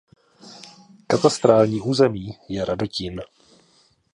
Katastrální území je Radotín.